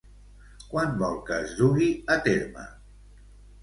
Quan vol que es dugui a terme?